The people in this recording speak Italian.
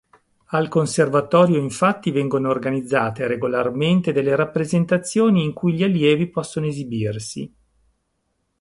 Al conservatorio infatti vengono organizzate regolarmente delle rappresentazioni in cui gli allievi possono esibirsi.